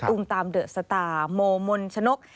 อุ่มตามเดอะสตาร์โมมนชนก